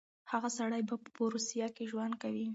هغه سړی به په روسيه کې ژوند کوي.